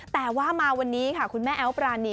แต่ว่ามาวันนี้ค่ะคุณแม่แอ๊วปรานี